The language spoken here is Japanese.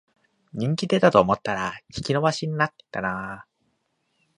人気出たと思ったら引き延ばしに入ったな